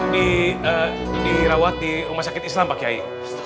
diirawati rumah sakit islam pakai